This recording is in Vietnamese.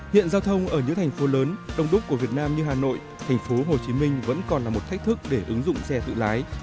hiện giao thông ở những thành phố lớn đông đúc của việt nam như hà nội thành phố hồ chí minh vẫn còn là một thách thức để ứng dụng xe tự lái